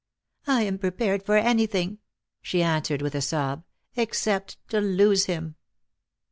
" I am prepared for. anything," she answered with a sob, " except to lose him."